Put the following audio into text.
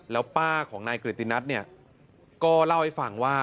แล้วป้าของนายกริตนัทก็เล่าไอ้ฝั่งว่า